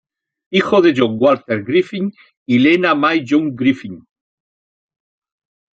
Hijo de John Walter Griffin y Lena May Young Griffin.